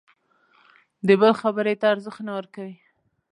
د بل خبرې ته ارزښت نه ورکوي.